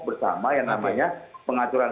bersama yang namanya pengacuran